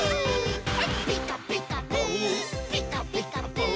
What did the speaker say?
「ピカピカブ！ピカピカブ！」